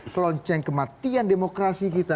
kelonceng kematian demokrasi kita